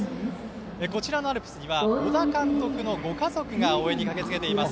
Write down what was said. こちらのアルプスには小田監督のご家族が応援に駆けつけています。